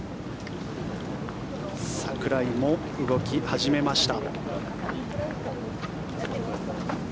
櫻井も動き始めました。